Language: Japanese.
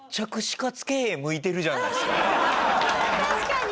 確かに！